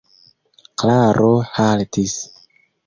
Klaro haltis.